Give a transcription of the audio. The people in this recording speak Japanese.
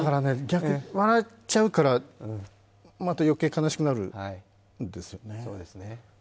逆に、笑っちゃうから、また余計悲しくなるんですよ。